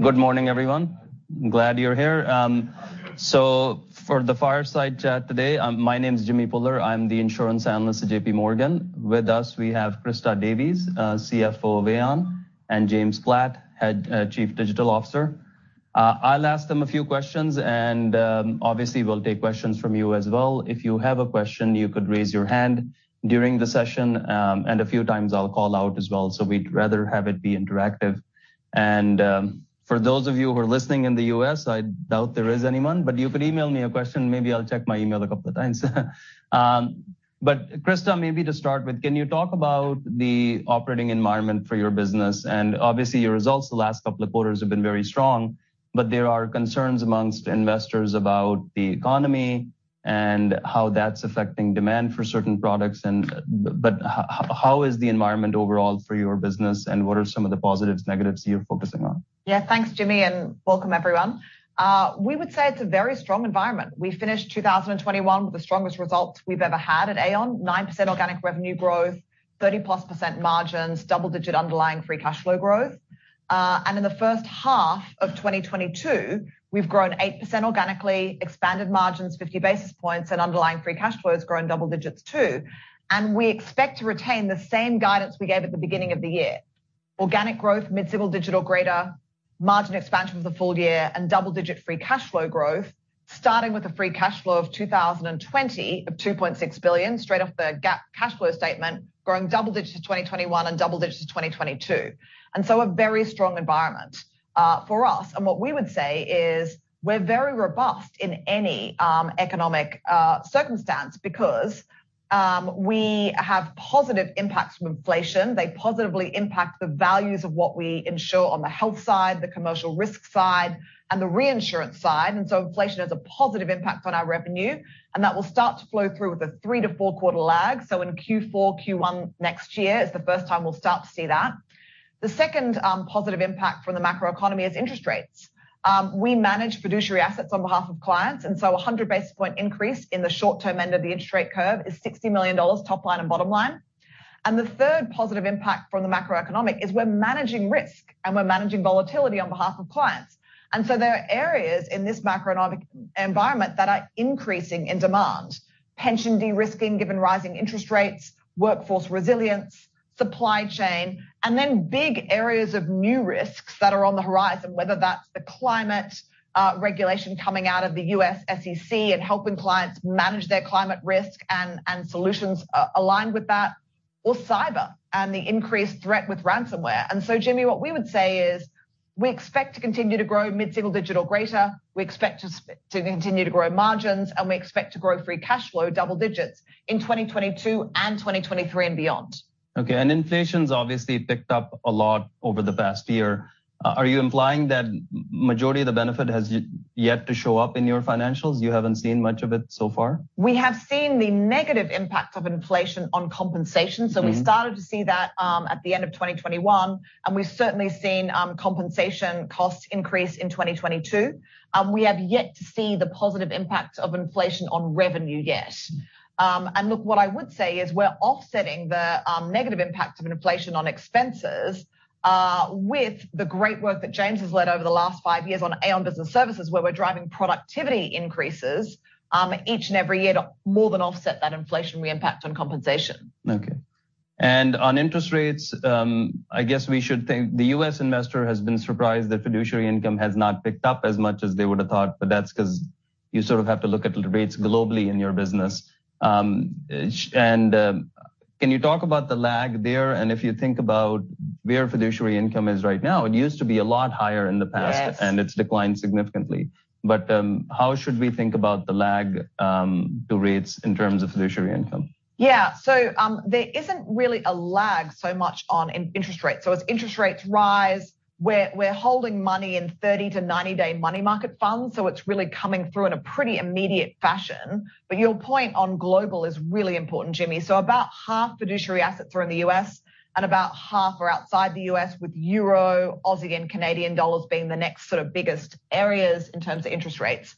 Good morning, everyone. Glad you're here. For the fireside chat today, my name's Jimmy Bhullar. I'm the insurance analyst at JPMorgan. With us, we have Christa Davies, CFO of Aon, and James Platt, Chief Digital Officer. I'll ask them a few questions. Obviously we'll take questions from you as well. If you have a question, you could raise your hand during the session, and a few times I'll call out as well. We'd rather have it be interactive. For those of you who are listening in the U.S., I doubt there is anyone, but you could email me a question. Maybe I'll check my email a couple of times. Christa, maybe to start with, can you talk about the operating environment for your business? Obviously your results the last couple of quarters have been very strong. There are concerns amongst investors about the economy and how that's affecting demand for certain products. How is the environment overall for your business, and what are some of the positives, negatives you're focusing on? Thanks, Jimmy, and welcome everyone. We would say it's a very strong environment. We finished 2021 with the strongest results we've ever had at Aon, 9% organic revenue growth, 30 plus percent margins, double-digit underlying free cash flow growth. In the first half of 2022, we've grown 8% organically, expanded margins 50 basis points, and underlying free cash flow has grown double digits too. We expect to retain the same guidance we gave at the beginning of the year. Organic growth mid-single digit or greater, margin expansion for the full year, and double-digit free cash flow growth, starting with a free cash flow of 2020 of $2.6 billion straight off the GAAP cash flow statement, growing double digits to 2021 and double digits to 2022. A very strong environment for us. What we would say is we're very robust in any economic circumstance because we have positive impacts from inflation. They positively impact the values of what we insure on the health side, the commercial risk side, and the reinsurance side. Inflation has a positive impact on our revenue, and that will start to flow through with a three to four-quarter lag. In Q4, Q1 next year is the first time we'll start to see that. The second positive impact from the macroeconomy is interest rates. We manage fiduciary assets on behalf of clients, and so 100 basis point increase in the short-term end of the interest rate curve is $60 million top line and bottom line. The third positive impact from the macroeconomic is we're managing risk and we're managing volatility on behalf of clients. There are areas in this macroeconomic environment that are increasing in demand. Pension de-risking, given rising interest rates, workforce resilience, supply chain, and then big areas of new risks that are on the horizon, whether that's the climate regulation coming out of the U.S. SEC and helping clients manage their climate risk and solutions aligned with that, or cyber and the increased threat with ransomware. Jimmy, what we would say is we expect to continue to grow mid-single digit or greater. We expect to continue to grow margins, and we expect to grow free cash flow double digits in 2022 and 2023 and beyond. Okay. Inflation's obviously picked up a lot over the past year. Are you implying that majority of the benefit has yet to show up in your financials? You haven't seen much of it so far? We have seen the negative impact of inflation on compensation. We started to see that at the end of 2021, and we've certainly seen compensation costs increase in 2022. We have yet to see the positive impact of inflation on revenue yet. Look, what I would say is we're offsetting the negative impact of inflation on expenses with the great work that James has led over the last five years on Aon Business Services, where we're driving productivity increases each and every year to more than offset that inflationary impact on compensation. Okay. On interest rates, I guess we should think the U.S. investor has been surprised that fiduciary income has not picked up as much as they would've thought, that's because you sort of have to look at rates globally in your business. Can you talk about the lag there, and if you think about where fiduciary income is right now? It used to be a lot higher in the past- Yes It's declined significantly. How should we think about the lag to rates in terms of fiduciary income? Yeah. There isn't really a lag so much on in interest rates. As interest rates rise, we're holding money in 30 to 90-day money market funds, it's really coming through in a pretty immediate fashion. Your point on global is really important, Jimmy. About half fiduciary assets are in the U.S. and about half are outside the U.S. with EUR, AUD, and CAD being the next sort of biggest areas in terms of interest rates.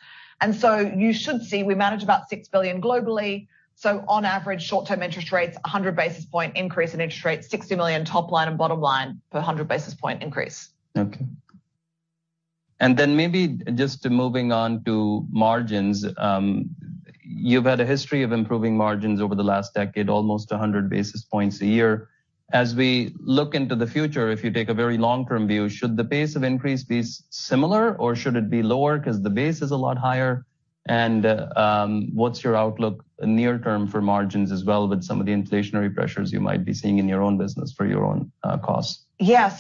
You should see we manage about $6 billion globally. On average, short-term interest rates, 100 basis point increase in interest rates, $60 million top line and bottom line per 100 basis point increase. Okay. Maybe just moving on to margins. You've had a history of improving margins over the last decade, almost 100 basis points a year. As we look into the future, if you take a very long-term view, should the pace of increase be similar or should it be lower because the base is a lot higher? What's your outlook near term for margins as well with some of the inflationary pressures you might be seeing in your own business for your own costs? Yeah.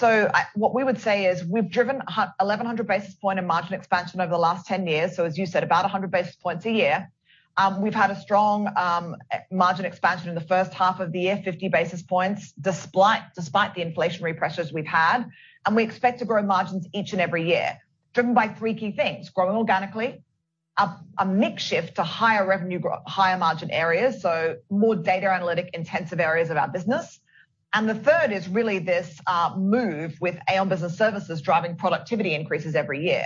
What we would say is we've driven 1,100 basis point in margin expansion over the last 10 years, so as you said, about 100 basis points a year. We've had a strong margin expansion in the first half of the year, 50 basis points despite the inflationary pressures we've had. We expect to grow margins each and every year driven by three key things, growing organically, a mix shift to higher revenue, higher margin areas, so more data analytic intensive areas of our business. The third is really this move with Aon Business Services driving productivity increases every year.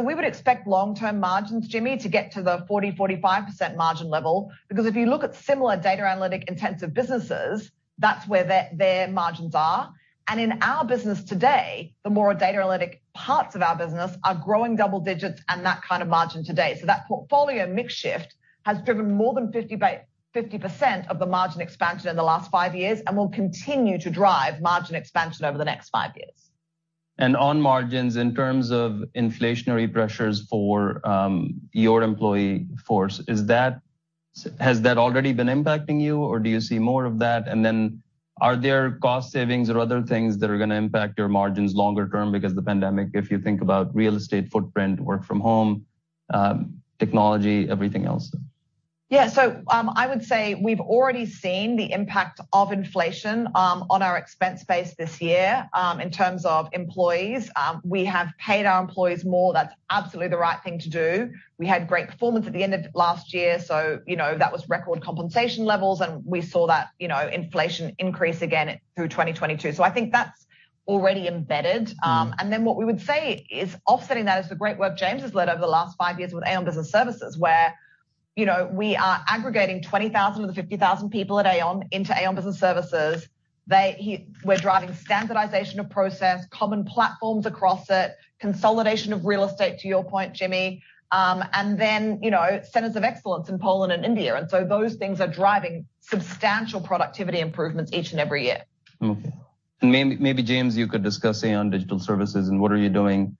We would expect long-term margins, Jimmy, to get to the 40%-45% margin level. Because if you look at similar data analytic intensive businesses, that's where their margins are. In our business today, the more data analytic parts of our business are growing double digits and that kind of margin today. That portfolio mix shift has driven more than 50% of the margin expansion in the last five years and will continue to drive margin expansion over the next five years. On margins, in terms of inflationary pressures for your employee force, has that already been impacting you, or do you see more of that? Are there cost savings or other things that are going to impact your margins longer term because the pandemic, if you think about real estate footprint, work from home, technology, everything else? Yeah. I would say we've already seen the impact of inflation on our expense base this year. In terms of employees, we have paid our employees more. That's absolutely the right thing to do. We had great performance at the end of last year, so that was record compensation levels, and we saw that inflation increase again through 2022. I think that's already embedded. What we would say is offsetting that is the great work James has led over the last 5 years with Aon Business Services, where we are aggregating 20,000 of the 50,000 people at Aon into Aon Business Services. We're driving standardization of process, common platforms across it, consolidation of real estate, to your point, Jimmy, and then centers of excellence in Poland and India. Those things are driving substantial productivity improvements each and every year. Okay. Maybe, James, you could discuss Aon Digital Services and what are you doing?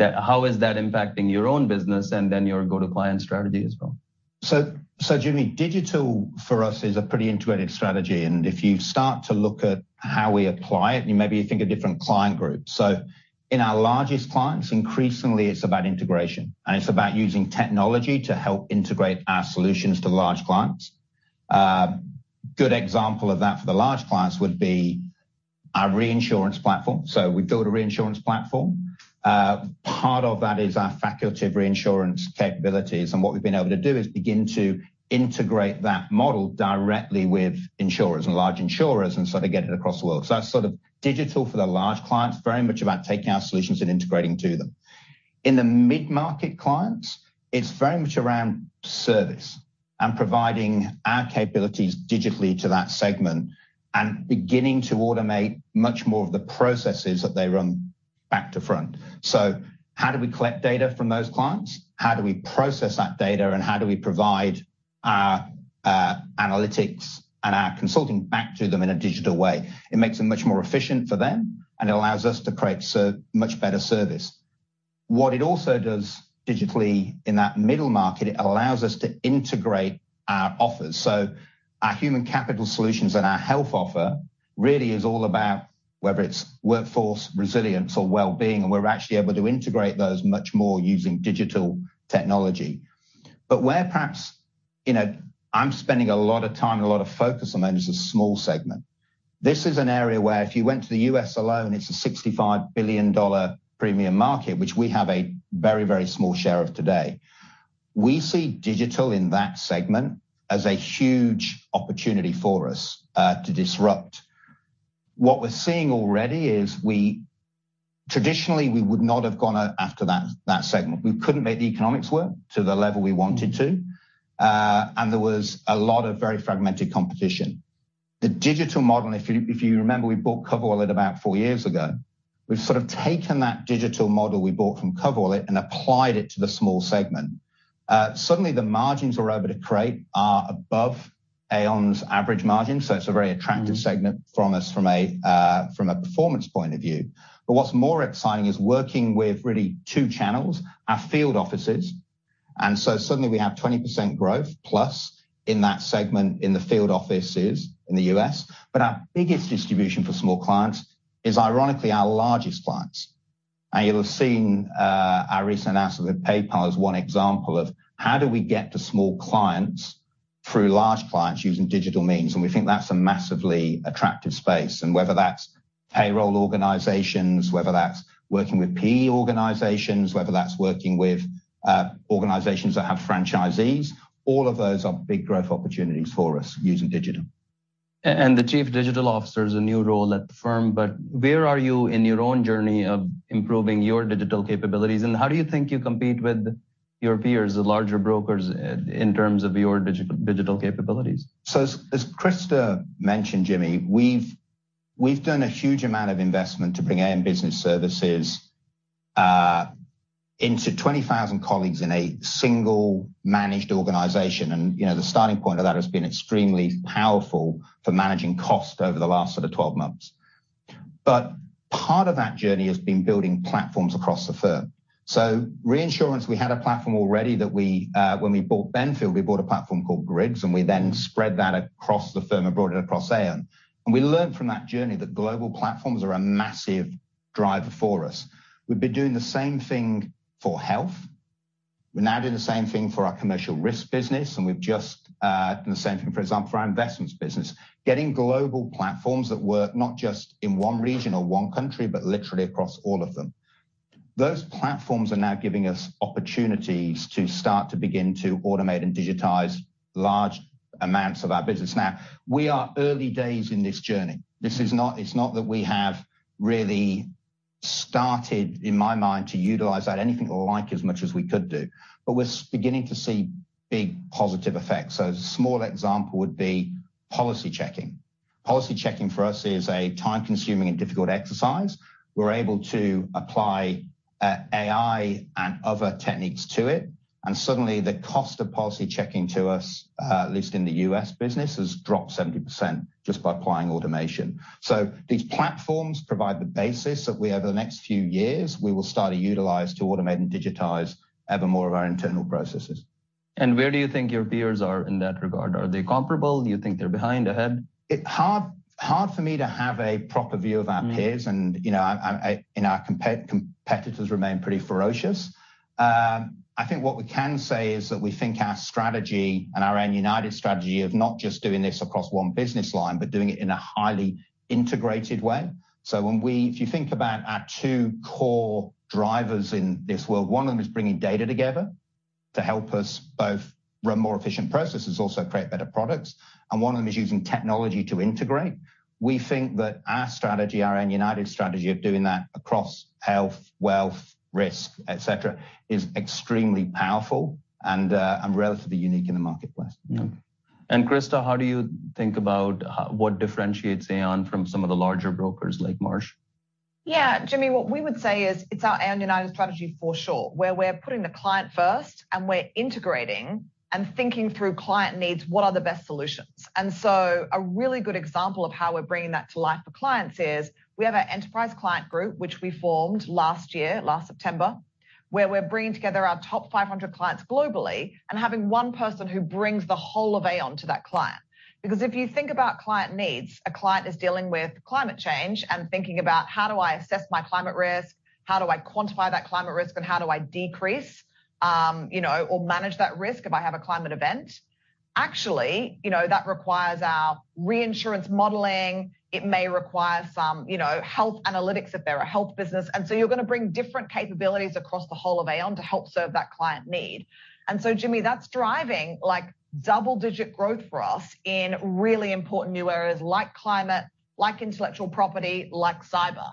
How is that impacting your own business and then your go-to-client strategy as well? Jimmy, digital for us is a pretty intuitive strategy, and if you start to look at how we apply it, and maybe you think of different client groups. In our largest clients, increasingly it's about integration, and it's about using technology to help integrate our solutions to large clients. Good example of that for the large clients would be our reinsurance platform. We built a reinsurance platform. Part of that is our facultative reinsurance capabilities. What we've been able to do is begin to integrate that model directly with insurers and large insurers and start to get it across the world. That's sort of digital for the large clients, very much about taking our solutions and integrating to them. In the mid-market clients, it's very much around service and providing our capabilities digitally to that segment and beginning to automate much more of the processes that they run back to front. How do we collect data from those clients? How do we process that data, and how do we provide our analytics and our consulting back to them in a digital way? It makes it much more efficient for them, and it allows us to create much better service. What it also does digitally in that middle market, it allows us to integrate our offers. Our human capital solutions and our health offer really is all about whether it's workforce resilience or well-being, and we're actually able to integrate those much more using digital technology. Where perhaps, I'm spending a lot of time and a lot of focus on only just a small segment. This is an area where if you went to the U.S. alone, it's a $65 billion premium market, which we have a very, very small share of today. We see digital in that segment as a huge opportunity for us to disrupt. What we're seeing already is traditionally we would not have gone after that segment. We couldn't make the economics work to the level we wanted to. There was a lot of very fragmented competition. The digital model, if you remember, we bought CoverWallet about four years ago. We've sort of taken that digital model we bought from CoverWallet and applied it to the small segment. Suddenly the margins we're able to create are above Aon's average margin. It's a very attractive segment from a performance point of view. What's more exciting is working with really two channels, our field offices, suddenly we have 20% growth plus in that segment in the field offices in the U.S. Our biggest distribution for small clients is ironically our largest clients. You'll have seen our recent announcement with PayPal as one example of how do we get to small clients through large clients using digital means, we think that's a massively attractive space. Whether that's payroll organizations, whether that's working with PE organizations, whether that's working with organizations that have franchisees, all of those are big growth opportunities for us using digital. The Chief Digital Officer is a new role at the firm, where are you in your own journey of improving your digital capabilities, how do you think you compete with your peers, the larger brokers, in terms of your digital capabilities? As Christa mentioned, Jimmy, we've done a huge amount of investment to bring Aon Business Services into 20,000 colleagues in a single managed organization. The starting point of that has been extremely powerful for managing cost over the last sort of 12 months. Part of that journey has been building platforms across the firm. Reinsurance, we had a platform already that when we bought Benfield, we bought a platform called GRiDS, and we then spread that across the firm and brought it across Aon. We learned from that journey that global platforms are a massive driver for us. We've been doing the same thing for health. We're now doing the same thing for our commercial risk business, and we've just done the same thing, for example, for our investments business. Getting global platforms that work not just in one region or one country, but literally across all of them. Those platforms are now giving us opportunities to start to begin to automate and digitize large amounts of our business now. We are early days in this journey. It's not that we have really started, in my mind, to utilize that anything or like as much as we could do, but we're beginning to see big positive effects. A small example would be policy checking. Policy checking for us is a time-consuming and difficult exercise. We're able to apply AI and other techniques to it, and suddenly the cost of policy checking to us, at least in the U.S. business, has dropped 70% just by applying automation. These platforms provide the basis that we, over the next few years, we will start to utilize to automate and digitize ever more of our internal processes. Where do you think your peers are in that regard? Are they comparable? Do you think they're behind, ahead? It's hard for me to have a proper view of our peers and our competitors remain pretty ferocious. I think what we can say is that we think our strategy and our Aon United strategy of not just doing this across one business line, but doing it in a highly integrated way. If you think about our two core drivers in this world, one of them is bringing data together to help us both run more efficient processes, also create better products, and one of them is using technology to integrate. We think that our strategy, our Aon United strategy of doing that across health, wealth, risk, et cetera, is extremely powerful and relatively unique in the marketplace. Yeah. Christa, how do you think about what differentiates Aon from some of the larger brokers like Marsh? Yeah, Jimmy, what we would say is it's our Aon United strategy for sure, where we're putting the client first and we're integrating and thinking through client needs, what are the best solutions. A really good example of how we're bringing that to life for clients is we have our Enterprise Client Group, which we formed last year, last September, where we're bringing together our top 500 clients globally and having one person who brings the whole of Aon to that client. Because if you think about client needs, a client is dealing with climate change and thinking about how do I assess my climate risk? How do I quantify that climate risk? How do I decrease or manage that risk if I have a climate event? Actually, that requires our reinsurance modeling. It may require some health analytics if they're a health business. You're going to bring different capabilities across the whole of Aon to help serve that client need. Jimmy, that's driving double-digit growth for us in really important new areas like climate, like intellectual property, like cyber.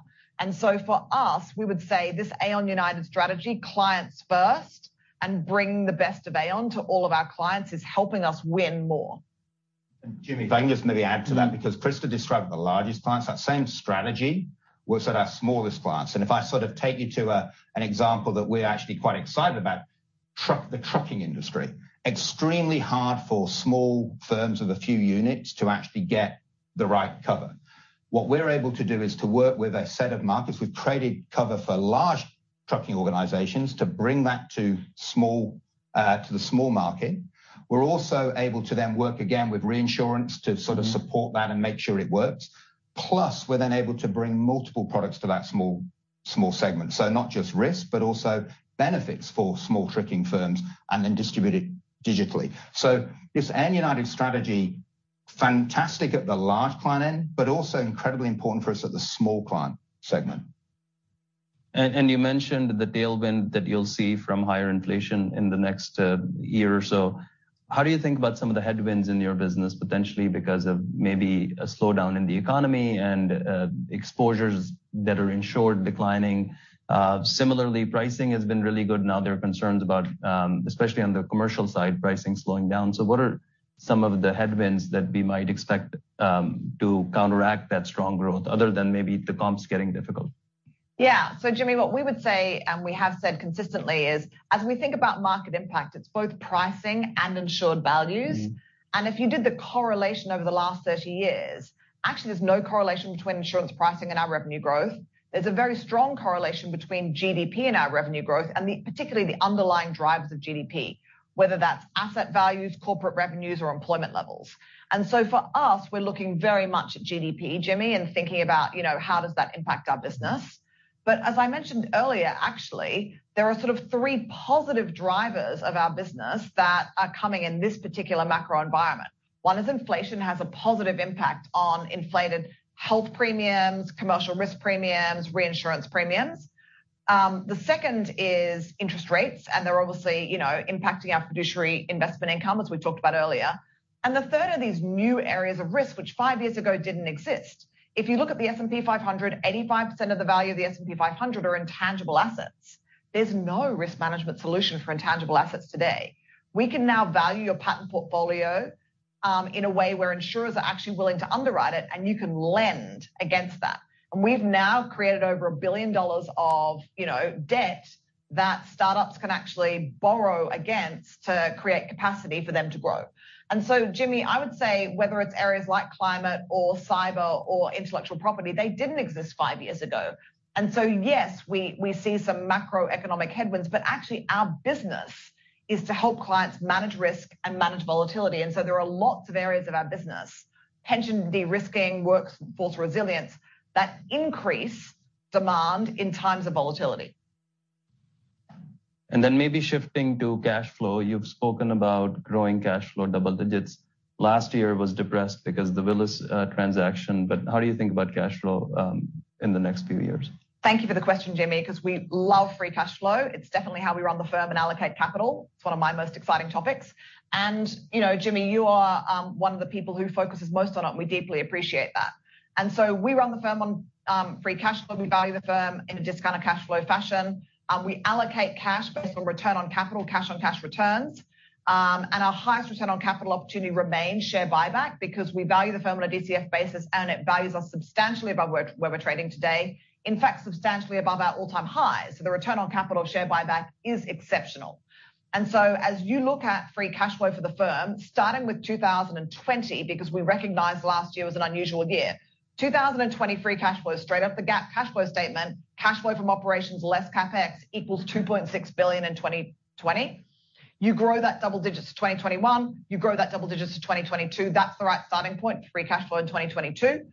For us, we would say this Aon United strategy, clients first and bring the best of Aon to all of our clients, is helping us win more. Jimmy, if I can just maybe add to that, because Christa described the largest clients, that same strategy works at our smallest clients. If I take you to an example that we're actually quite excited about, the trucking industry. Extremely hard for small firms with a few units to actually get the right cover. What we're able to do is to work with a set of markets. We've traded cover for large trucking organizations to bring that to the small market. We're also able to then work again with reinsurance to sort of support that and make sure it works. Plus, we're then able to bring multiple products to that small segment. Not just risk, but also benefits for small trucking firms and then distribute it digitally. This Aon United strategy, fantastic at the large client end, but also incredibly important for us at the small client segment. You mentioned the tailwind that you'll see from higher inflation in the next year or so. How do you think about some of the headwinds in your business, potentially because of maybe a slowdown in the economy and exposures that are insured declining? Similarly, pricing has been really good. Now there are concerns about, especially on the commercial side, pricing slowing down. What are some of the headwinds that we might expect to counteract that strong growth other than maybe the comps getting difficult? Jimmy, what we would say, and we have said consistently is, as we think about market impact, it's both pricing and insured values. If you did the correlation over the last 30 years, actually there's no correlation between insurance pricing and our revenue growth. There's a very strong correlation between GDP and our revenue growth and particularly the underlying drivers of GDP, whether that's asset values, corporate revenues, or employment levels. For us, we're looking very much at GDP, Jimmy, and thinking about how does that impact our business. As I mentioned earlier, actually, there are sort of 3 positive drivers of our business that are coming in this particular macro environment. One is inflation has a positive impact on inflated health premiums, commercial risk premiums, reinsurance premiums. The second is interest rates, and they're obviously impacting our fiduciary investment income, as we talked about earlier. The third are these new areas of risk, which 5 years ago didn't exist. If you look at the S&P 500, 85% of the value of the S&P 500 are intangible assets. There's no risk management solution for intangible assets today. We can now value your patent portfolio, in a way where insurers are actually willing to underwrite it, and you can lend against that. We've now created over $1 billion of debt that startups can actually borrow against to create capacity for them to grow. Jimmy, I would say whether it's areas like climate or cyber or intellectual property, they didn't exist 5 years ago. Yes, we see some macroeconomic headwinds, but actually our business is to help clients manage risk and manage volatility. There are lots of areas of our business, pension de-risking, workforce resilience, that increase demand in times of volatility. Maybe shifting to cash flow. You've spoken about growing cash flow double digits. Last year was depressed because the Willis transaction. How do you think about cash flow in the next few years? Thank you for the question, Jimmy, because we love free cash flow. It's definitely how we run the firm and allocate capital. It's one of my most exciting topics. Jimmy, you are one of the people who focuses most on it, and we deeply appreciate that. We run the firm on free cash flow. We value the firm in a discounted cash flow fashion. We allocate cash based on return on capital, cash on cash returns. Our highest return on capital opportunity remains share buyback because we value the firm on a DCF basis, and it values us substantially above where we're trading today. In fact, substantially above our all-time high. The return on capital share buyback is exceptional. As you look at free cash flow for the firm, starting with 2020, because we recognize last year was an unusual year, 2020 free cash flow, straight off the GAAP cash flow statement, cash flow from operations less CapEx equals $2.6 billion in 2020. That grows double digits to 2021, that grows double digits to 2022. That's the right starting point for free cash flow in 2022.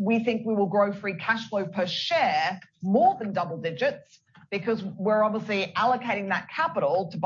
We think we will grow free cash flow per share more than double digits because we're obviously allocating that capital to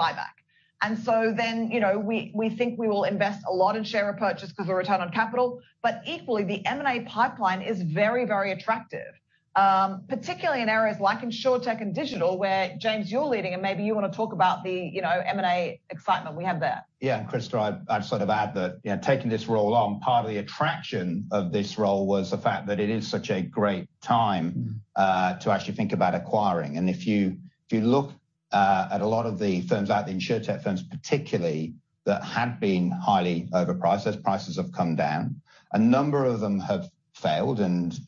buyback. We think we will invest a lot in share repurchase because of return on capital. Equally, the M&A pipeline is very, very attractive, particularly in areas like Insurtech and digital, where James, you're leading and maybe you want to talk about the M&A excitement we have there. Christa, I'd add that taking this role on, part of the attraction of this role was the fact that it is such a great time to actually think about acquiring. If you look at a lot of the firms out there, the Insurtech firms particularly that had been highly overpriced, those prices have come down. A number of them have failed.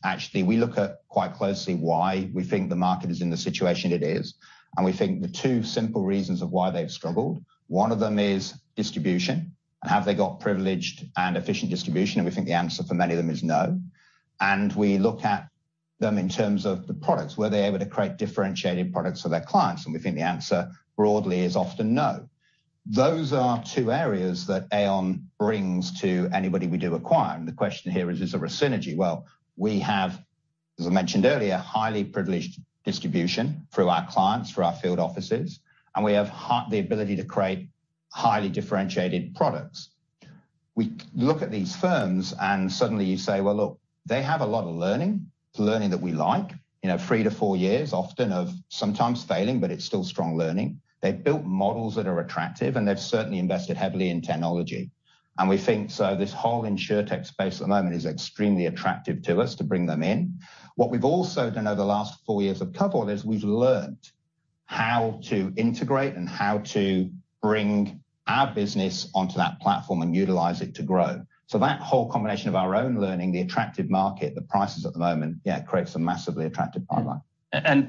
Actually, we look at quite closely why we think the market is in the situation it is, and we think the two simple reasons of why they've struggled, one of them is distribution, and have they got privileged and efficient distribution? We think the answer for many of them is no. We look at them in terms of the products. Were they able to create differentiated products for their clients? We think the answer broadly is often no. Those are two areas that Aon brings to anybody we do acquire. The question here is there a synergy? We have, as I mentioned earlier, highly privileged distribution through our clients, through our field offices, and we have the ability to create highly differentiated products. We look at these firms, and suddenly you say, "Look, they have a lot of learning." It's learning that we like, three to four years often of sometimes failing, but it's still strong learning. They've built models that are attractive, and they've certainly invested heavily in technology. We think this whole Insurtech space at the moment is extremely attractive to us to bring them in. What we've also done over the last four years of CoverWallet is we've learned how to integrate and how to bring our business onto that platform and utilize it to grow. That whole combination of our own learning, the attractive market, the prices at the moment, it creates a massively attractive partner.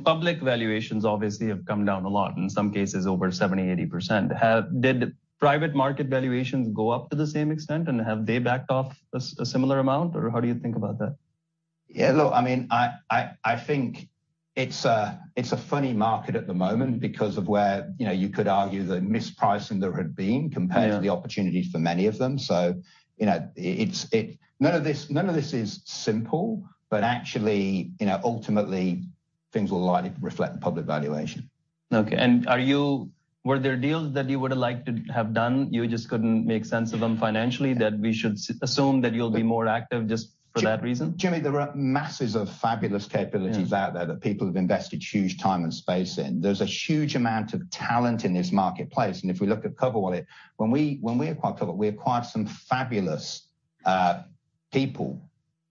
Public valuations obviously have come down a lot, in some cases over 70%, 80%. Did private market valuations go up to the same extent, and have they backed off a similar amount, or how do you think about that? Yeah, look, I think it's a funny market at the moment because of where you could argue the mispricing there had been compared- Yeah to the opportunities for many of them. None of this is simple, but actually, ultimately things will likely reflect the public valuation. Okay. Were there deals that you would have liked to have done, you just couldn't make sense of them financially, that we should assume that you'll be more active just for that reason? Jimmy, there are masses of fabulous capabilities out there that people have invested huge time and space in. There's a huge amount of talent in this marketplace, and if we look at CoverWallet, when we acquired Cover, we acquired some fabulous people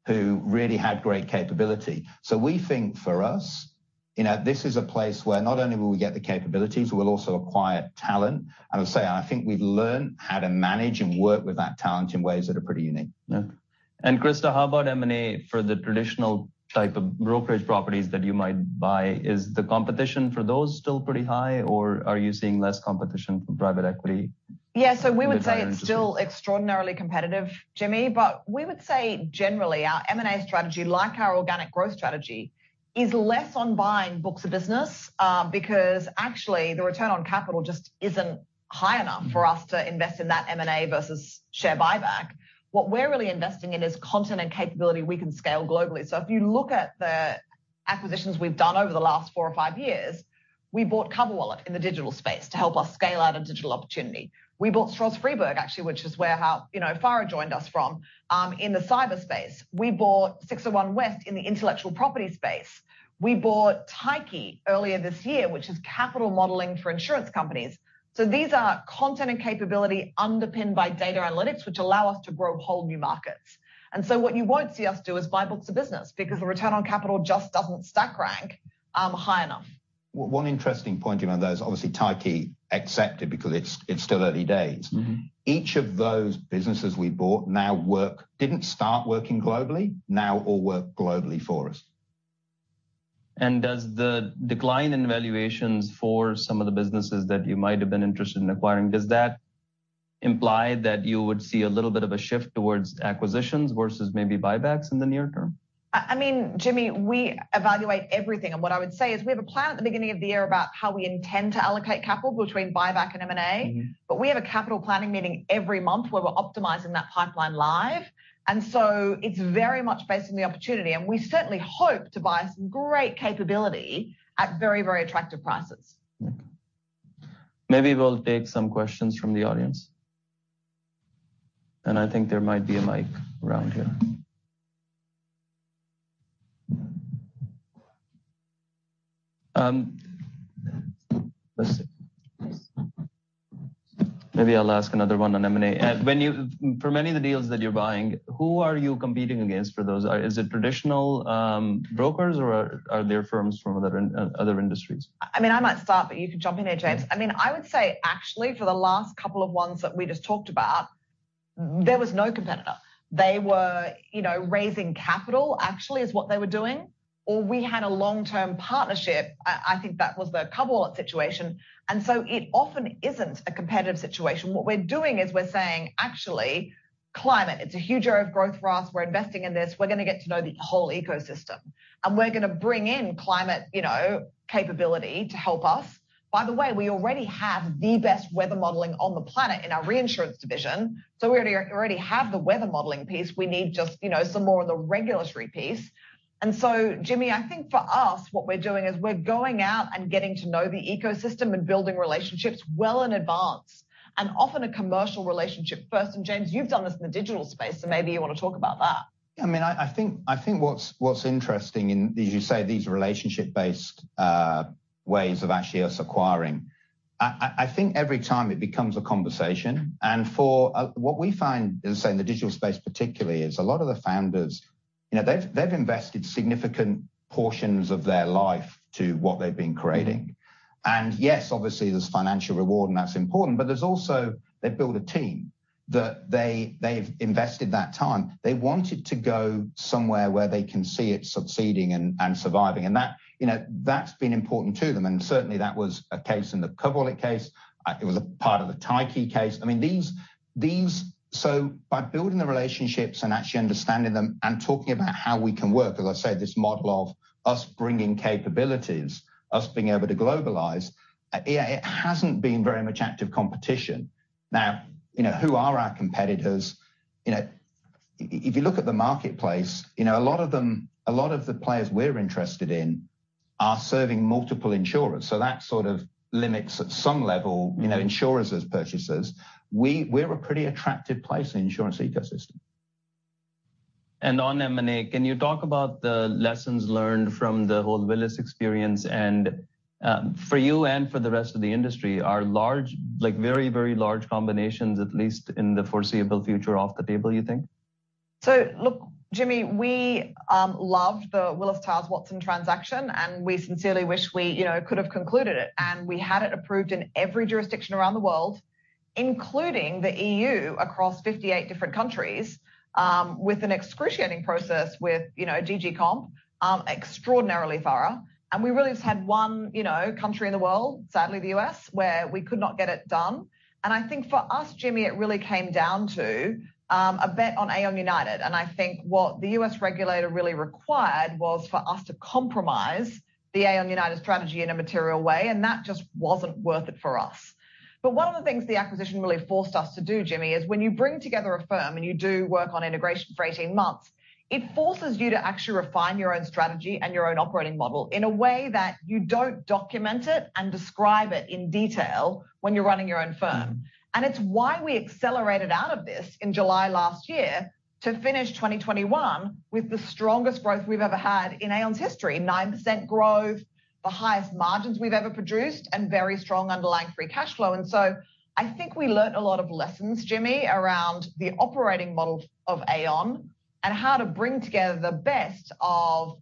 who really had great capability. We think for us, this is a place where not only will we get the capabilities, we will also acquire talent. I would say, I think we've learned how to manage and work with that talent in ways that are pretty unique. Yeah. Christa, how about M&A for the traditional type of brokerage properties that you might buy? Is the competition for those still pretty high, or are you seeing less competition from private equity? Yeah. We would say it's still extraordinarily competitive, Jimmy. We would say generally our M&A strategy, like our organic growth strategy, is less on buying books of business, because actually the return on capital just isn't high enough for us to invest in that M&A versus share buyback. What we're really investing in is content and capability we can scale globally. If you look at the acquisitions we've done over the last four or five years, we bought CoverWallet in the digital space to help us scale out a digital opportunity. We bought Stroz Friedberg actually, which is where Farah joined us from, in the cyber space. We bought 601West in the intellectual property space. We bought Tyche earlier this year, which is capital modeling for insurance companies. These are content and capability underpinned by data analytics, which allow us to grow whole new markets. What you won't see us do is buy books of business, because the return on capital just doesn't stack rank high enough. One interesting point around that is obviously Tyche excepted because it's still early days. Each of those businesses we bought now didn't start working globally, now all work globally for us. Does the decline in valuations for some of the businesses that you might have been interested in acquiring, does that imply that you would see a little bit of a shift towards acquisitions versus maybe buybacks in the near term? Jimmy, we evaluate everything. What I would say is we have a plan at the beginning of the year about how we intend to allocate capital between buyback and M&A. We have a capital planning meeting every month where we're optimizing that pipeline live. It's very much based on the opportunity, and we certainly hope to buy some great capability at very, very attractive prices. Okay. Maybe we'll take some questions from the audience. I think there might be a mic around here. Let's see. Maybe I'll ask another one on M&A. For many of the deals that you're buying, who are you competing against for those? Is it traditional brokers, or are there firms from other industries? I might start, but you can jump in there, James. I would say, actually, for the last couple of ones that we just talked about, there was no competitor. They were raising capital, actually, is what they were doing. Or we had a long-term partnership. I think that was the CoverWallet situation. It often isn't a competitive situation. What we're doing is we're saying, actually, climate, it's a huge area of growth for us. We're investing in this. We're going to get to know the whole ecosystem. We're going to bring in climate capability to help us. By the way, we already have the best weather modeling on the planet in our reinsurance division. We already have the weather modeling piece. We need just some more on the regulatory piece. Jimmy, I think for us, what we're doing is we're going out and getting to know the ecosystem and building relationships well in advance, and often a commercial relationship first. James, you've done this in the digital space, maybe you want to talk about that. I think what's interesting in, as you say, these relationship-based ways of actually us acquiring, I think every time it becomes a conversation. What we find, as I say, in the digital space particularly, is a lot of the founders, they've invested significant portions of their life to what they've been creating. Yes, obviously there's financial reward, and that's important, but there's also they've built a team that they've invested that time. They want it to go somewhere where they can see it succeeding and surviving. That's been important to them. Certainly, that was a case in the CoverWallet case. It was a part of the Tyche case. By building the relationships and actually understanding them and talking about how we can work, as I say, this model of us bringing capabilities, us being able to globalize, it hasn't been very much active competition. Who are our competitors? If you look at the marketplace, a lot of the players we're interested in are serving multiple insurers. That sort of limits at some level insurers as purchasers. We're a pretty attractive place in the insurance ecosystem. On M&A, can you talk about the lessons learned from the whole Willis experience and for you and for the rest of the industry, are very large combinations, at least in the foreseeable future, off the table, you think? Look, Jimmy, we loved the Willis Towers Watson transaction, and we sincerely wish we could have concluded it. We had it approved in every jurisdiction around the world, including the EU, across 58 different countries, with an excruciating process with DG Comp, extraordinarily thorough. We really just had one country in the world, sadly, the U.S., where we could not get it done. I think for us, Jimmy, it really came down to a bet on Aon United. I think what the U.S. regulator really required was for us to compromise the Aon United strategy in a material way, and that just wasn't worth it for us. One of the things the acquisition really forced us to do, Jimmy, is when you bring together a firm and you do work on integration for 18 months, it forces you to actually refine your own strategy and your own operating model in a way that you don't document it and describe it in detail when you're running your own firm. It's why we accelerated out of this in July 2021 to finish 2021 with the strongest growth we've ever had in Aon's history, 9% growth, the highest margins we've ever produced, and very strong underlying free cash flow. I think we learned a lot of lessons, Jimmy, around the operating model of Aon and how to bring together the best of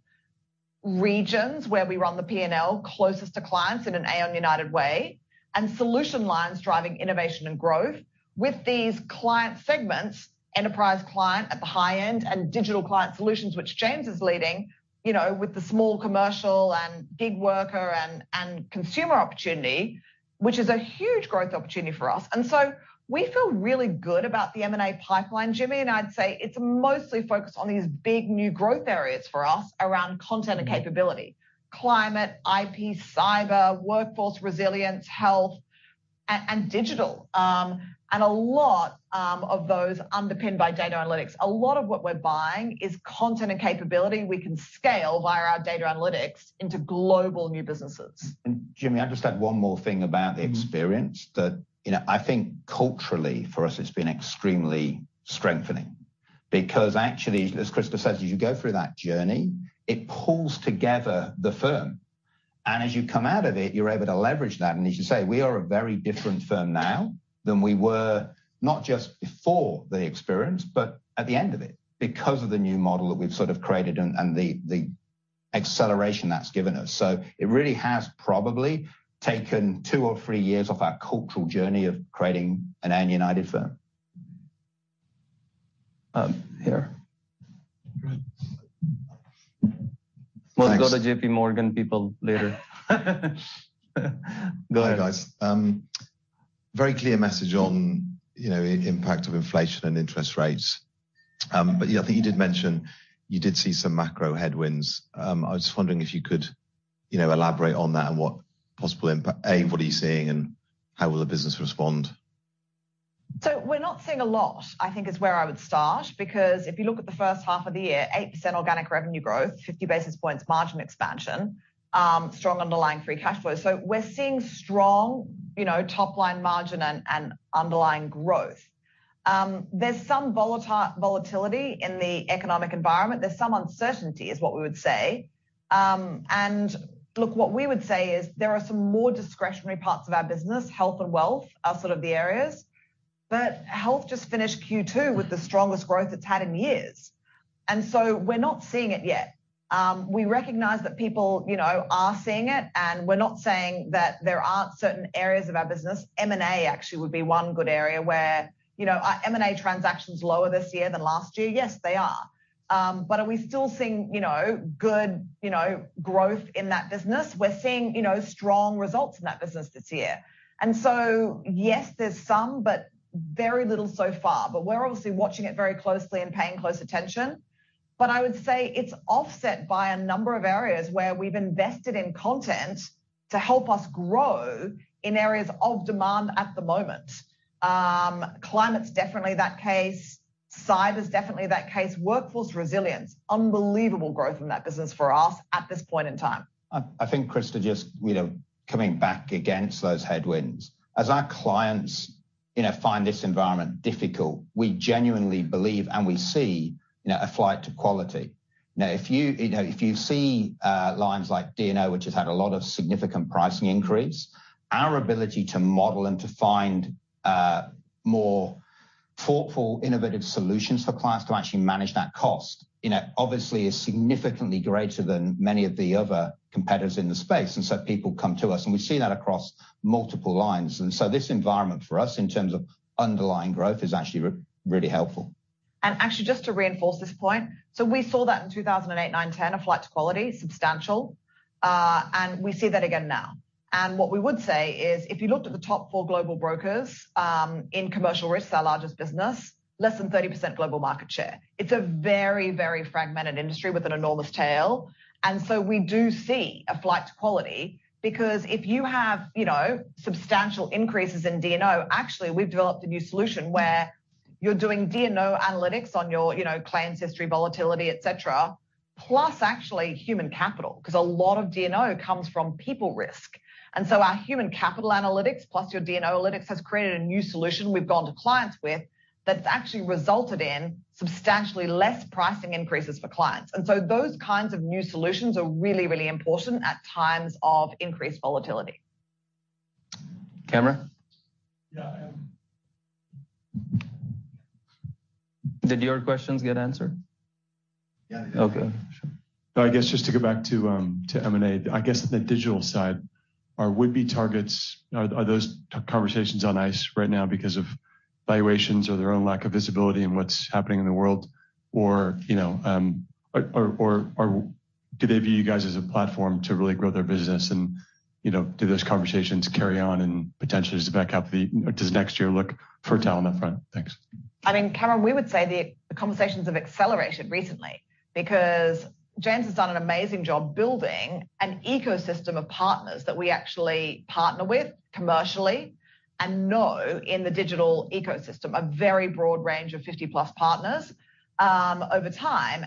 regions where we run the P&L closest to clients in an Aon United way and solution lines driving innovation and growth with these client segments, enterprise client at the high end, and Digital Client Solutions, which James is leading, with the small commercial and gig worker and consumer opportunity, which is a huge growth opportunity for us. We feel really good about the M&A pipeline, Jimmy. I'd say it's mostly focused on these big new growth areas for us around content and capability, climate, IP, cyber, workforce resilience, health, and digital. A lot of those underpinned by data analytics. A lot of what we're buying is content and capability we can scale via our data analytics into global new businesses. Jimmy, I just had one more thing about the experience that I think culturally for us it's been extremely strengthening because actually, as Christa says, as you go through that journey, it pulls together the firm. As you come out of it, you're able to leverage that. As you say, we are a very different firm now than we were not just before the experience, but at the end of it because of the new model that we've sort of created and the acceleration that's given us. It really has probably taken two or three years off our cultural journey of creating an Aon United firm. Here. Thanks. We'll go to JPMorgan people later. Go ahead. Hi, guys. Very clear message on impact of inflation and interest rates. I think you did mention you did see some macro headwinds. I was just wondering if you could elaborate on that and what possible impact, A, what are you seeing and how will the business respond? We're not seeing a lot, I think is where I would start, because if you look at the first half of the year, 8% organic revenue growth, 50 basis points margin expansion, strong underlying free cash flow. We're seeing strong top line margin and underlying growth. There's some volatility in the economic environment. There's some uncertainty is what we would say. Look, what we would say is there are some more discretionary parts of our business, health and wealth are sort of the areas. Health just finished Q2 with the strongest growth it's had in years. We're not seeing it yet. We recognize that people are seeing it, and we're not saying that there aren't certain areas of our business. M&A actually would be one good area where, are M&A transactions lower this year than last year? Yes, they are. Are we still seeing good growth in that business? We're seeing strong results in that business this year. Yes, there's some, but very little so far. We're obviously watching it very closely and paying close attention. I would say it's offset by a number of areas where we've invested in content to help us grow in areas of demand at the moment. Climate's definitely that case. Cyber is definitely that case. Workforce resilience, unbelievable growth in that business for us at this point in time. I think, Christa, just coming back against those headwinds, as our clients find this environment difficult, we genuinely believe and we see a flight to quality. If you see lines like D&O, which has had a lot of significant pricing increase, our ability to model and to find more thoughtful, innovative solutions for clients to actually manage that cost obviously is significantly greater than many of the other competitors in the space. People come to us and we see that across multiple lines. This environment for us, in terms of underlying growth, is actually really helpful. Actually, just to reinforce this point, we saw that in 2008, 2009, 2010, a flight to quality, substantial. We see that again now. What we would say is if you looked at the top four global brokers, in commercial risk, our largest business, less than 30% global market share. It's a very, very fragmented industry with an enormous tail. We do see a flight to quality because if you have substantial increases in D&O, actually, we've developed a new solution where you're doing D&O analytics on your claims history, volatility, et cetera, plus actually human capital, because a lot of D&O comes from people risk. Our human capital analytics plus your D&O analytics has created a new solution we've gone to clients with that's actually resulted in substantially less pricing increases for clients. Those kinds of new solutions are really, really important at times of increased volatility. Cameron? Yeah, I am. Did your questions get answered? Yeah. Okay. Sure. I guess just to go back to M&A. I guess the digital side are would-be targets. Are those conversations on ice right now because of valuations or their own lack of visibility in what's happening in the world? Or do they view you guys as a platform to really grow their business and do those conversations carry on and potentially just back out the deals next year look fertile on that front? Thanks. I mean, Cameron, we would say the conversations have accelerated recently because James has done an amazing job building an ecosystem of partners that we actually partner with commercially and know in the digital ecosystem, a very broad range of 50-plus partners, over time.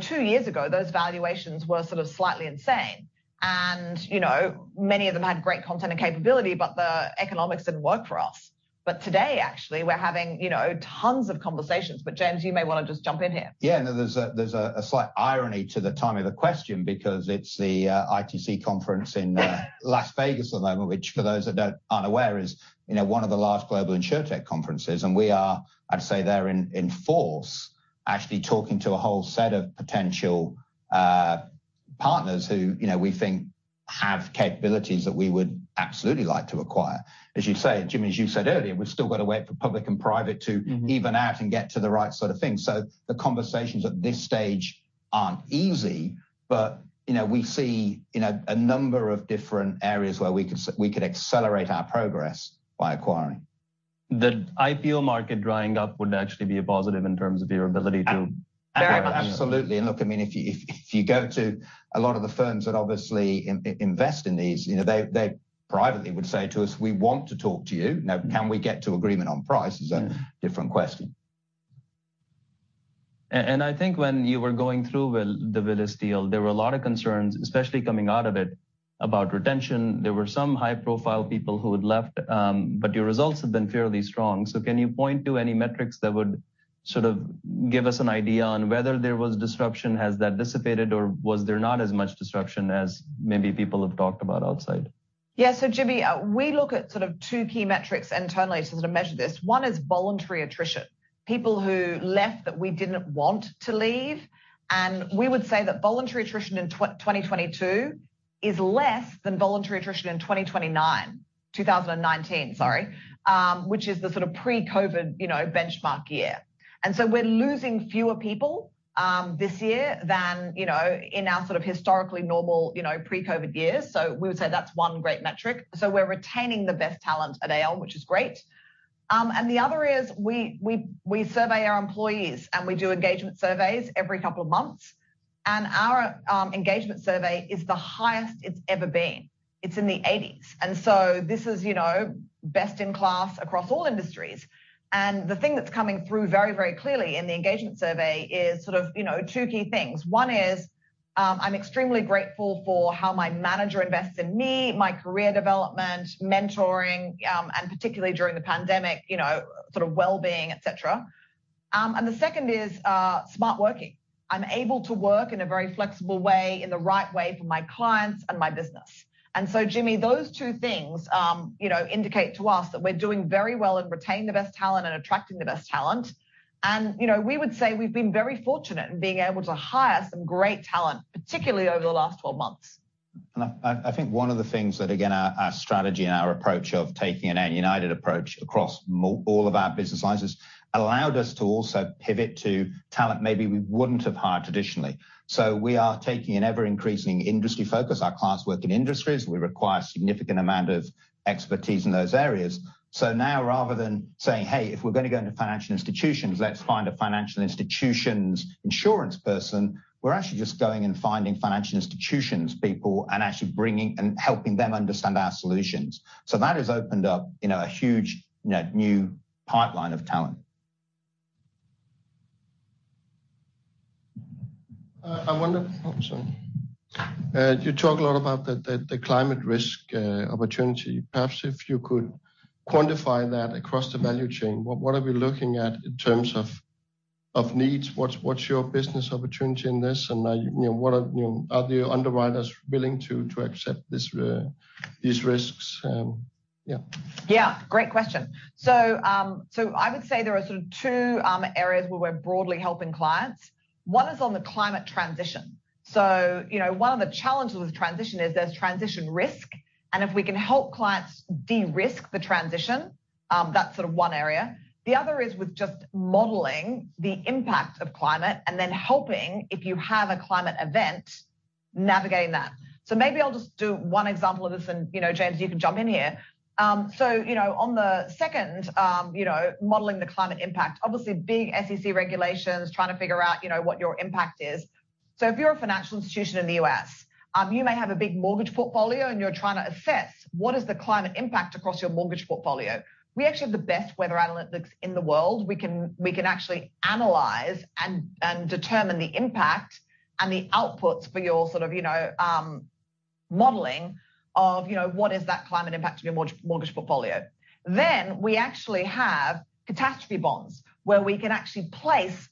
Two years ago, those valuations were sort of slightly insane. Many of them had great content and capability, but the economics didn't work for us. Today, actually, we're having tons of conversations. James, you may want to just jump in here. Yeah, no, there's a slight irony to the timing of the question because it's the ITC conference in Las Vegas at the moment, which for those that aren't aware is one of the largest global Insurtech conferences, and we are, I'd say, there in force, actually talking to a whole set of potential partners who we think have capabilities that we would absolutely like to acquire. As you say, Jimmy, as you said earlier, we've still got to wait for public and private to even out and get to the right sort of thing. The conversations at this stage aren't easy, but we see a number of different areas where we could accelerate our progress by acquiring. The IPO market drying up would actually be a positive in terms of your ability to acquire- Absolutely. Look, I mean, if you go to a lot of the firms that obviously invest in these, they privately would say to us, "We want to talk to you." Can we get to agreement on price is a different question. I think when you were going through the Willis deal, there were a lot of concerns, especially coming out of it, about retention. There were some high-profile people who had left. Your results have been fairly strong. Can you point to any metrics that would sort of give us an idea on whether there was disruption? Has that dissipated, or was there not as much disruption as maybe people have talked about outside? Yeah. Jimmy, we look at sort of two key metrics internally to sort of measure this. One is voluntary attrition, people who left that we didn't want to leave. We would say that voluntary attrition in 2022 is less than voluntary attrition in 2019, sorry, which is the sort of pre-COVID benchmark year. We're losing fewer people this year than in our sort of historically normal pre-COVID years. We would say that's one great metric. We're retaining the best talent at Aon, which is great. The other is we survey our employees, and we do engagement surveys every couple of months. Our engagement survey is the highest it's ever been. It's in the eighties. This is best in class across all industries. The thing that's coming through very, very clearly in the engagement survey is two key things. One is, I'm extremely grateful for how my manager invests in me, my career development, mentoring, and particularly during the pandemic, wellbeing, et cetera. The second is smart working. I'm able to work in a very flexible way, in the right way for my clients and my business. Jimmy, those two things indicate to us that we're doing very well in retaining the best talent and attracting the best talent. We would say we've been very fortunate in being able to hire some great talent, particularly over the last 12 months. I think one of the things that, again, our strategy and our approach of taking a united approach across all of our business lines has allowed us to also pivot to talent maybe we wouldn't have hired traditionally. We are taking an ever-increasing industry focus. Our clients work in industries, we require a significant amount of expertise in those areas. Now rather than saying, "Hey, if we're going to go into financial institutions, let's find a financial institutions insurance person," we're actually just going and finding financial institutions people and actually bringing and helping them understand our solutions. That has opened up a huge new pipeline of talent. You talk a lot about the climate risk opportunity. Perhaps if you could quantify that across the value chain. What are we looking at in terms of needs? What's your business opportunity in this, and are the underwriters willing to accept these risks? Great question. I would say there are two areas where we're broadly helping clients. One is on the climate transition. One of the challenges with transition is there's transition risk, and if we can help clients de-risk the transition, that's one area. The other is with just modeling the impact of climate and then helping if you have a climate event, navigating that. Maybe I'll just do one example of this, and James, you can jump in here. On the second, modeling the climate impact, obviously big SEC regulations, trying to figure out what your impact is. If you're a financial institution in the U.S., you may have a big mortgage portfolio and you're trying to assess what is the climate impact across your mortgage portfolio. We actually have the best weather analytics in the world. We can actually analyze and determine the impact and the outputs for your sort of modeling of what is that climate impact of your mortgage portfolio. We actually have catastrophe bonds where we can actually place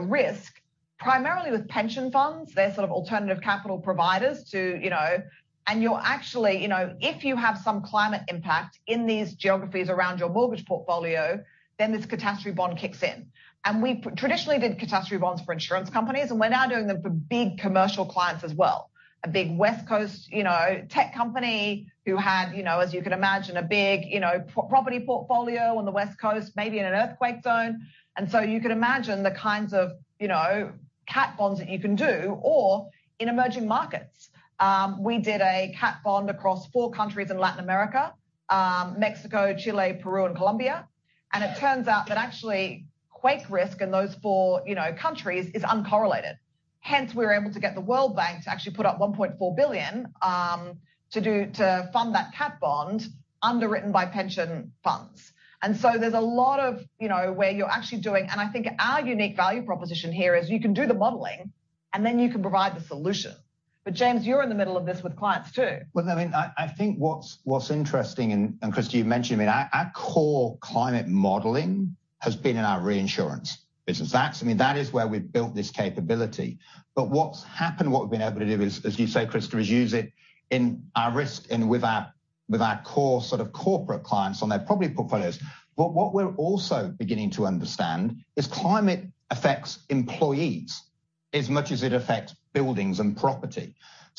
risk primarily with pension funds. They're sort of alternative capital providers. If you have some climate impact in these geographies around your mortgage portfolio, then this catastrophe bond kicks in. We traditionally did catastrophe bonds for insurance companies, and we're now doing them for big commercial clients as well. A big West Coast tech company who had, as you can imagine, a big property portfolio on the West Coast, maybe in an earthquake zone. You can imagine the kinds of cat bonds that you can do or in emerging markets. We did a cat bond across four countries in Latin America, Mexico, Chile, Peru, and Colombia. It turns out that actually quake risk in those four countries is uncorrelated. Hence, we were able to get the World Bank to actually put up $1.4 billion to fund that cat bond underwritten by pension funds. There's a lot of where you're actually doing, and I think our unique value proposition here is you can do the modeling and then you can provide the solution. James, you're in the middle of this with clients too. I think what's interesting, Christa, you've mentioned, our core climate modeling has been in our reinsurance business. That is where we've built this capability. What's happened, what we've been able to do is, as you say, Christa, is use it in our risk and with our core sort of corporate clients on their property portfolios. What we're also beginning to understand is climate affects employees as much as it affects buildings and property.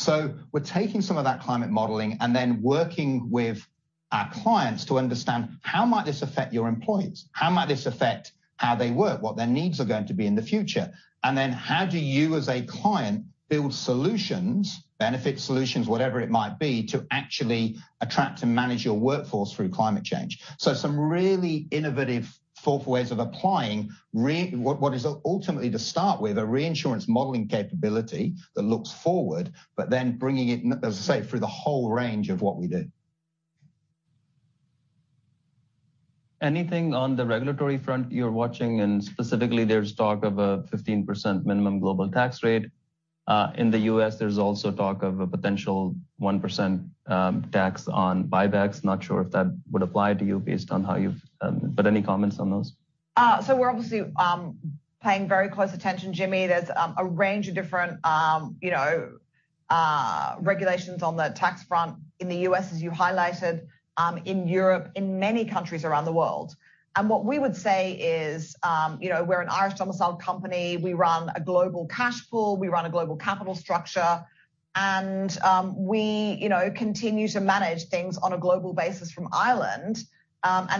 We're taking some of that climate modeling and then working with our clients to understand how might this affect your employees? How might this affect how they work, what their needs are going to be in the future? How do you as a client build solutions, benefit solutions, whatever it might be, to actually attract and manage your workforce through climate change? Some really innovative thought for ways of applying what is ultimately to start with a reinsurance modeling capability that looks forward, bringing it, as I say, through the whole range of what we do. Anything on the regulatory front you're watching, specifically there's talk of a 15% minimum global tax rate. In the U.S., there's also talk of a potential 1% tax on buybacks. Not sure if that would apply to you based on how you've. Any comments on those? We're obviously paying very close attention, Jimmy. There's a range of different regulations on the tax front in the U.S., as you highlighted, in Europe, in many countries around the world. What we would say is we're an Irish domiciled company. We run a global cash pool. We run a global capital structure. We continue to manage things on a global basis from Ireland.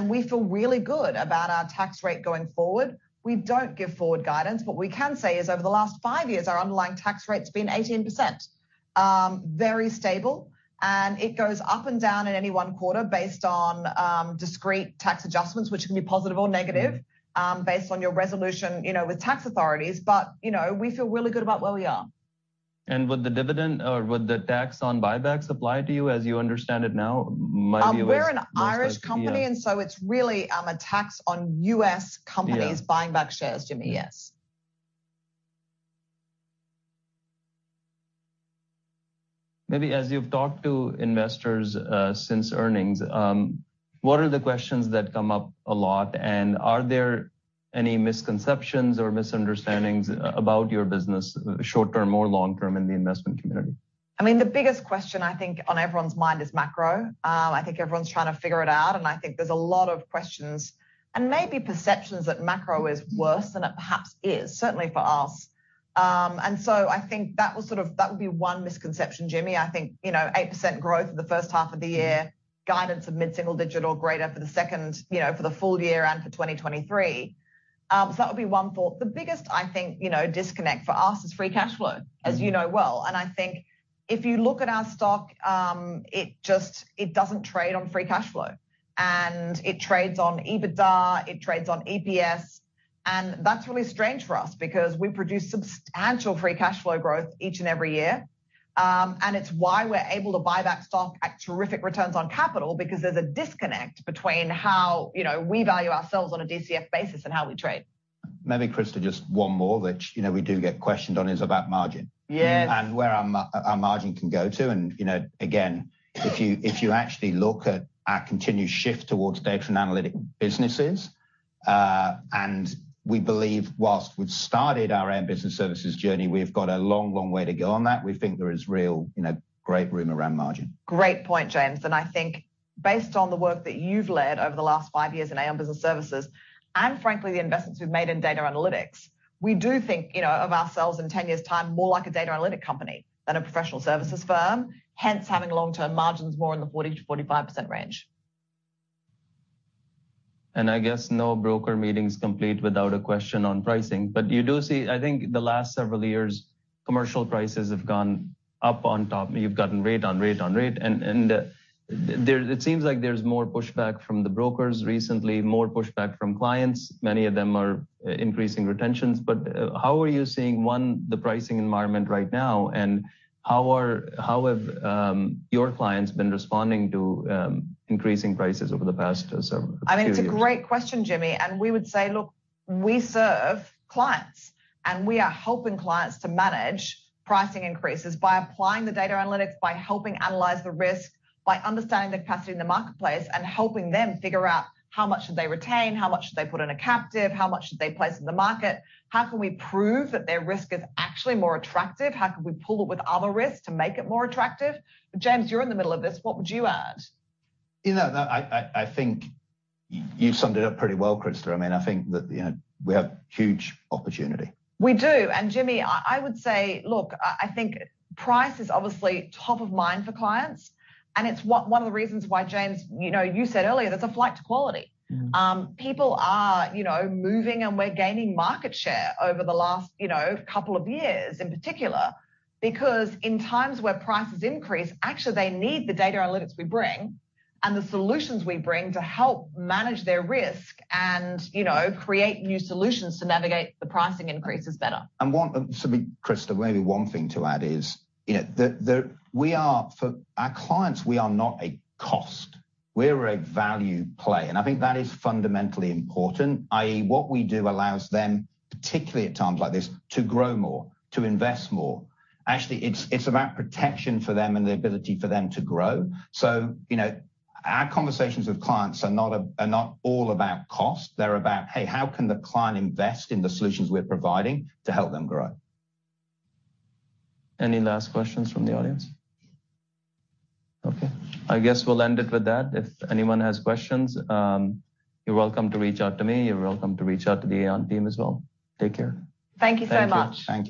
We feel really good about our tax rate going forward. We don't give forward guidance. What we can say is over the last 5 years, our underlying tax rate's been 18%. Very stable, it goes up and down in any one quarter based on discrete tax adjustments, which can be positive or negative based on your resolution with tax authorities. We feel really good about where we are. Would the dividend or would the tax on buybacks apply to you as you understand it now? We're an Irish company, it's really a tax on U.S. companies. Yeah buying back shares, Jimmy. Yes. Maybe as you've talked to investors since earnings, what are the questions that come up a lot, and are there any misconceptions or misunderstandings about your business short-term or long-term in the investment community? The biggest question I think on everyone's mind is macro. I think everyone's trying to figure it out, and I think there's a lot of questions and maybe perceptions that macro is worse than it perhaps is, certainly for us. I think that would be one misconception, Jimmy. I think 8% growth for the first half of the year, guidance of mid-single digit greater for the full year and for 2023. That would be one thought. The biggest, I think, disconnect for us is free cash flow, as you know well. I think if you look at our stock, it doesn't trade on free cash flow. It trades on EBITDA, it trades on EPS. That's really strange for us because we produce substantial free cash flow growth each and every year. It's why we're able to buy back stock at terrific returns on capital because there's a disconnect between how we value ourselves on a DCF basis and how we trade. Maybe Christa, just one more which we do get questioned on, is about margin. Yes. Where our margin can go to and, again, if you actually look at our continued shift towards data and analytic businesses, and we believe whilst we've started our Aon Business Services journey, we've got a long way to go on that. We think there is real great room around margin. Great point, James. I think based on the work that you've led over the last five years in Aon Business Services, and frankly, the investments we've made in data analytics, we do think of ourselves in 10 years' time more like a data analytic company than a professional services firm, hence having long-term margins more in the 40%-45% range. I guess no broker meeting's complete without a question on pricing. You do see, I think the last several years, commercial prices have gone up on top. You've gotten rate on rate on rate. It seems like there's more pushback from the brokers recently, more pushback from clients. Many of them are increasing retentions. How are you seeing, one, the pricing environment right now, and how have your clients been responding to increasing prices over the past several periods? I think it's a great question, Jimmy. We would say, look, we serve clients, and we are helping clients to manage pricing increases by applying the data analytics, by helping analyze the risk, by understanding the capacity in the marketplace and helping them figure out how much should they retain, how much should they put in a captive, how much should they place in the market? How can we prove that their risk is actually more attractive? How can we pool it with other risks to make it more attractive? James, you're in the middle of this, what would you add? I think you've summed it up pretty well, Christa. I think that we have huge opportunity. We do. Jimmy, I would say, look, I think price is obviously top of mind for clients, and it's one of the reasons why, James, you said earlier there's a flight to quality. People are moving and we're gaining market share over the last couple of years in particular. In times where prices increase, actually they need the data analytics we bring and the solutions we bring to help manage their risk and create new solutions to navigate the pricing increases better. Christa, maybe one thing to add is, for our clients, we are not a cost. We're a value play. I think that is fundamentally important, i.e., what we do allows them, particularly at times like this, to grow more, to invest more. Actually, it's about protection for them and the ability for them to grow. Our conversations with clients are not all about cost. They're about, hey, how can the client invest in the solutions we're providing to help them grow? Any last questions from the audience? Okay. I guess we'll end it with that. If anyone has questions, you're welcome to reach out to me, you're welcome to reach out to the Aon team as well. Take care. Thank you so much. Thank you.